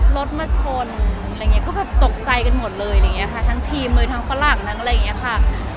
รถมาชนก็ตกใจกันหมดเลยค่ะทั้งทีมเลยทั้งฝรั่งทั้งอะไรอย่างนี้ค่ะ